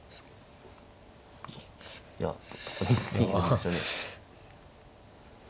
いや。